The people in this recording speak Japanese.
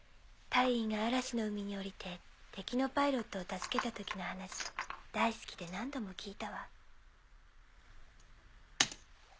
大尉が嵐の海に降りて敵のパイロットを助けた時の話大好きで何度も聞いたわ。